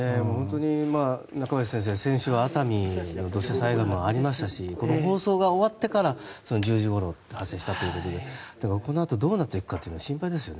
中林先生、先週は熱海の土砂災害もありましたしこの放送が終わってから１０時ごろ発生したということでこのあとどうなっていくか心配ですね。